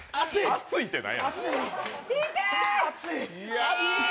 熱いって何？